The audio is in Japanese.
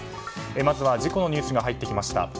まずは事故のニュースが入ってきました。